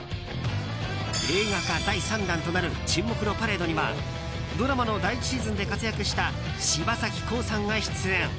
映画化第３弾となる「沈黙のパレード」にはドラマの第１シーズンで活躍した柴咲コウさんが出演。